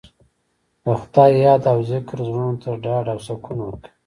د خدای یاد او ذکر زړونو ته ډاډ او سکون ورکوي.